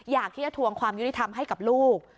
อยากที่จะทวงความยุติธรรมให้กับลูก